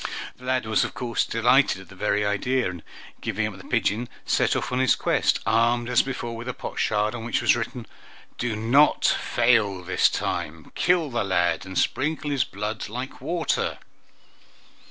The lad was of course delighted at the very idea, and, giving up the pigeon, set off on his quest, armed as before with a potsherd, on which was written, "Do not fail this time. Kill the lad, and sprinkle his blood like water!"